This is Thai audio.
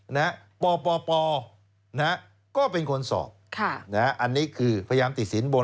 ในนี้ก้อเป็นคนสอบอันนี้คือพยายามติดศิลป์บน